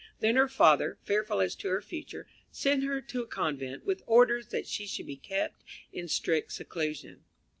Then her father, fearful as to her future, sent her to a convent, with orders that she should be kept in strict seclusion.